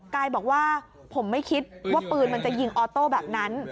กายบอกว่าผมไม่คิดว่าปืนมันจะยิงออโต้แบบนั้น